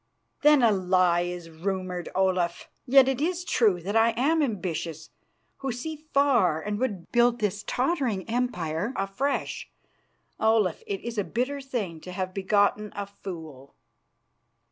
"Then a lie is rumoured, Olaf. Yet it is true that I am ambitious, who see far and would build this tottering empire up afresh. Olaf, it is a bitter thing to have begotten a fool."